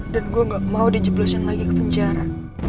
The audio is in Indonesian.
dan gue gak mau dijeblosan lagi ke penjara